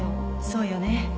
そうよね。